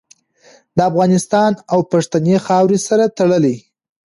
د افغانستان او پښتنې خاورې سره تړلې